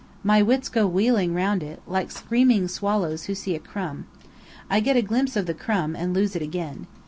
My wits go wheeling round it, like screaming swallows who see a crumb. I get a glimpse of the crumb, and lose it again.